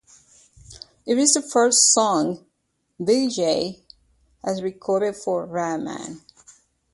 It is the first song Vijay has recorded for Rahman.